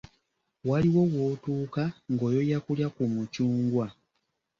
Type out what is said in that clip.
Waliwo w'otuuka ng'oyoya kulya ku mucungwa.